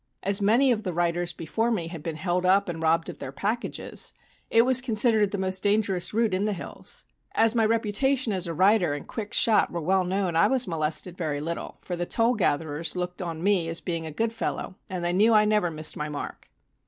As many of the riders before me had been held up and robbed of their packages, it was considered the most dangerous route in the Hills. As my reputation as a rider and quick shot were well known I was molested very little, for the toll gatherers looked on me as being a good fellow and they knew I never missed my mark.